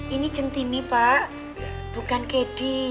ini centini pak bukan kedi